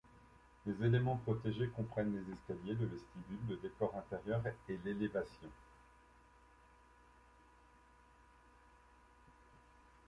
Les éléments protégés comprennent les escaliers, le vestibule, le décor intérieur et l'élévation.